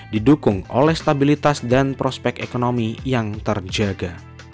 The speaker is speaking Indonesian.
didukung oleh stabilitas dan prospek ekonomi yang terjaga